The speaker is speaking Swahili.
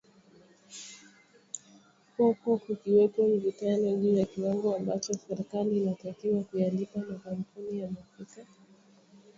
huku kukiwepo mivutano juu ya kiwango ambacho serikali inatakiwa kuyalipa makampuni ya mafuta